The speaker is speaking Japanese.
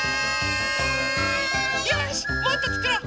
よしもっとつくろう！